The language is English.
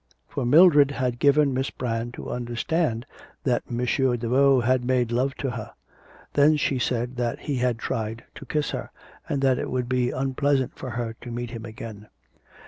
For Mildred had given Miss Brand to understand that M. Daveau had made love to her; then she said that he had tried to kiss her, and that it would be unpleasant for her to meet him again.